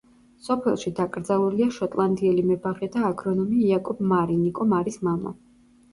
სოფელში დაკრძალულია შოტლანდიელი მებაღე და აგრონომი იაკობ მარი, ნიკო მარის მამა.